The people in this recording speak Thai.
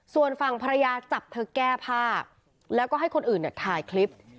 ส่วนฝั่งภรรยาจับเธอแก้ผ้าแล้วก็ให้คนอื่นถ่ายคลิป